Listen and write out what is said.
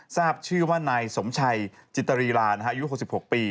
ทราบชื่อว่านายสมชัยจิตรีลาอายุ๖๖ปี